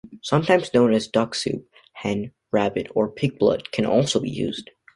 Sometimes known as "duck soup", hen, rabbit or pig blood can also be used.